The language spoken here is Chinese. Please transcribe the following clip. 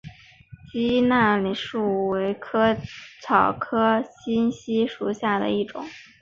鸡纳树为茜草科金鸡纳属下的一个种。